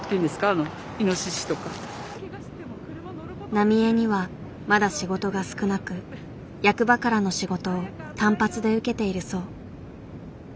浪江にはまだ仕事が少なく役場からの仕事を単発で受けているそう。